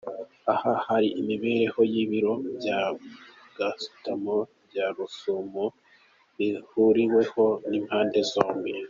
Aha bari imbere y’ibiro bya Gasutamo bya Rusumo bihuriweho n’impande zombi.